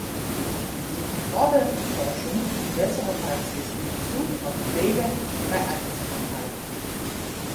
Sie fordern Forschung und bessere Praxis in bezug auf Pflege bei Alterskrankheiten.